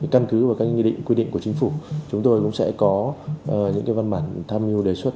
căn cứ và các quy định của chính phủ chúng tôi cũng sẽ có những văn bản tham nhu đề xuất